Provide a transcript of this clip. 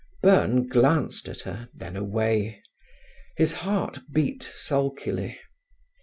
Byrne glanced at her, then away. His heart beat sulkily.